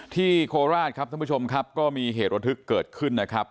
โคราชครับท่านผู้ชมครับก็มีเหตุระทึกเกิดขึ้นนะครับ